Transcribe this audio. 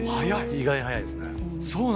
意外に早いですね。